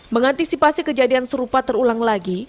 mengantisipasi kejadian serupa terulang lagi